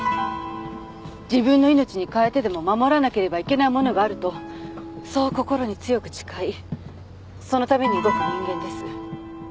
自分の命に代えてでも守らなければいけないものがあるとそう心に強く誓いそのために動く人間です。